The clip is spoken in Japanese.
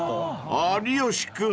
［有吉君